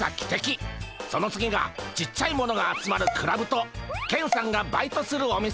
その次がちっちゃいものが集まるクラブとケンさんがバイトするお店。